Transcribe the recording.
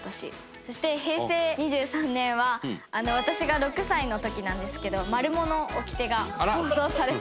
そして、平成２３年は私が６歳の時なんですけど『マルモのおきて』が放送された年です。